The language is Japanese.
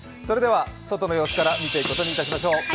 それでは外の様子から見ていくことにいたしましょう。